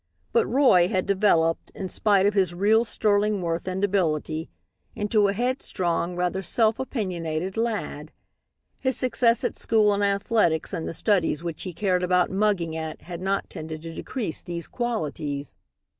But Roy had developed, in spite of his real sterling worth and ability, into a headstrong, rather self opinionated lad. His success at school in athletics and the studies which he cared about "mugging" at had not tended to decrease these qualities.